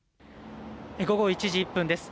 午後１時１分です。